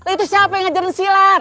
itu siapa yang ngajarin silar